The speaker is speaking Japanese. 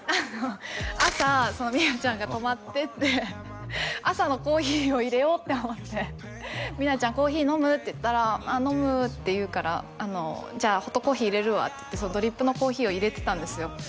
朝みなちゃんが泊まってって朝のコーヒーを入れようって思って「みなちゃんコーヒー飲む？」って言ったら「飲む」って言うから「じゃあホットコーヒー入れるわ」って言ってドリップのコーヒーを入れてたんですよ